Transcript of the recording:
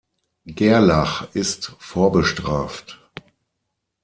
Gerlach ist vorbestraft.